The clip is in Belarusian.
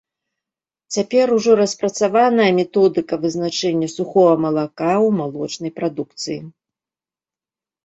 Цяпер ужо распрацаваная методыка вызначэння сухога малака ў малочнай прадукцыі.